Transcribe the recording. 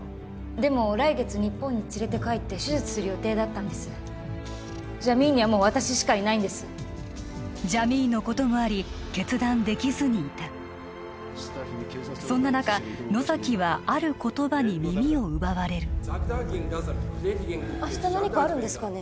でも来月日本に連れて帰って手術する予定だったんですジャミーンにはもう私しかいないんですジャミーンのこともあり決断できずにいたそんな中野崎はある言葉に耳を奪われる明日何かあるんですかね